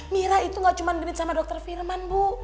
mira itu gak cuman genit sama dokter firman bu